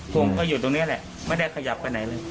ผมก็อยู่ตรงนี้แหละไม่ได้ขยับไปไหนเลย